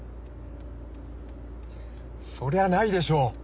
そりゃないでしょ。